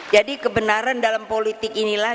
jadi kebenaran dalam politik inilah